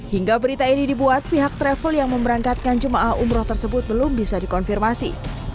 hingga berita ini dibuat pihak travel yang memberangkatkan jemaah umroh tersebut belum bisa dikonfirmasi